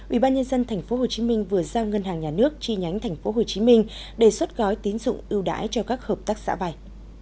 ubnd tp hcm vừa giao ngân hàng nhà nước chi nhánh tp hcm đề xuất gói tín dụng ưu đãi cho các hợp tác xã bài